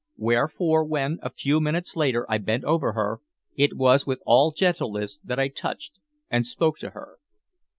Wherefore, when, a few minutes later, I bent over her, it was with all gentleness that I touched and spoke to her.